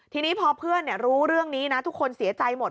ทีนี้พอเพื่อนรู้เรื่องนี้นะทุกคนเสียใจหมด